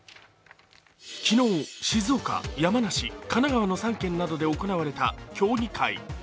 昨日、静岡、山梨、神奈川の３県などで行われた協議会。